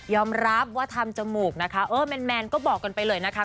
ยอมรับทำจมูกเออแมนก็บอกกันไปเลยนะคะ